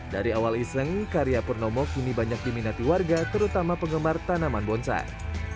dari awal iseng karya purnomo kini banyak diminati warga terutama penggemar tanaman bonsai